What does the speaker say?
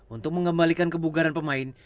untuk mengembalikan kebugaran pemain